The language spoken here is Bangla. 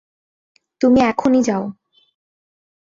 তুমি এখনই যাও।